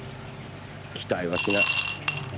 期待はしない。